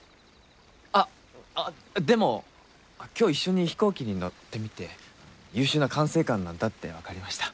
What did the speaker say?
あっでも今日一緒に飛行機に乗ってみて優秀な管制官なんだってわかりました。